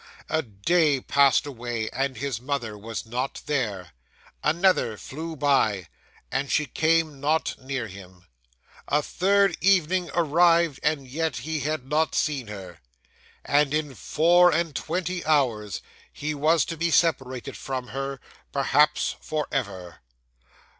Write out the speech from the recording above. A day passed away and his mother was not there; another flew by, and she came not near him; a third evening arrived, and yet he had not seen her , and in four and twenty hours he was to be separated from her, perhaps for ever.